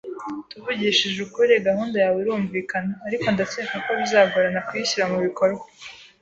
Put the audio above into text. Tuvugishije ukuri, gahunda yawe irumvikana, ariko ndacyeka ko bizagorana kuyishyira mubikorwa.